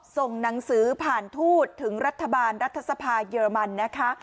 ส่งหนังสือผ่านทูตถึงรัฐบาลรัฐสภาเยอรมันนะคะ